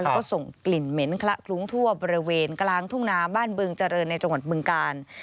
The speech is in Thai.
แล้วก็ส่งกลิ่นเหม็นคละคลุ้งทั่วบริเวณกลางทุ่งนาบ้านบึงเจริญในจังหวัดบึงกาล